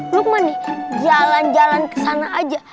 lukman nih jalan jalan kesana aja